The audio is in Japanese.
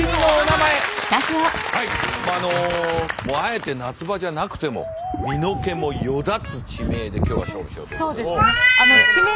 はいもうあえて夏場じゃなくても身の毛もよだつ地名で今日は勝負しようと。